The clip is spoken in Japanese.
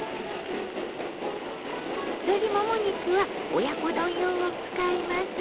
鶏もも肉は親子丼用を使います。